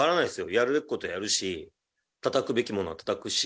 やるべきことはやるし、たたくべきものはたたくし。